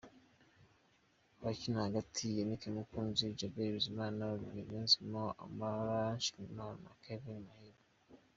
Abakina hagati: Yannick Mukunzi, Djihad Bizimana, Olivier Niyonzima, Amran Nshimiyimana na Kevin Muhire.